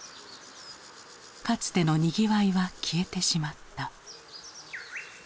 かつてのにぎわいは消えてしまった。